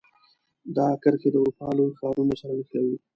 دا کرښې د اروپا لوی ښارونو سره نښلوي.